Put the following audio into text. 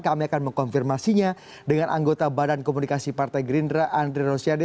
kami akan mengkonfirmasinya dengan anggota badan komunikasi partai gerindra andre rosiade